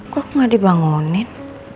kok nggak dibangunin